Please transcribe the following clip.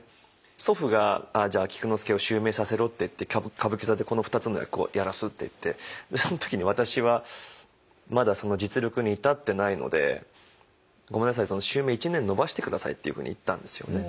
祖父がじゃあ菊之助を襲名させろって言って歌舞伎座でこの２つの役をやらすって言ってその時に私はまだその実力に至ってないので「ごめんなさいその襲名１年延ばして下さい」っていうふうに言ったんですよね。